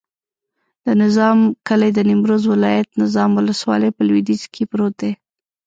د نظام کلی د نیمروز ولایت، نظام ولسوالي په لویدیځ کې پروت دی.